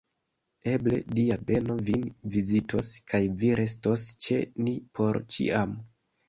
Eble, Dia beno vin vizitos, kaj vi restos ĉe ni por ĉiam!